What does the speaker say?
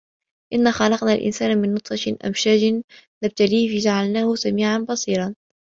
إِنّا خَلَقنَا الإِنسانَ مِن نُطفَةٍ أَمشاجٍ نَبتَليهِ فَجَعَلناهُ سَميعًا بَصيرًا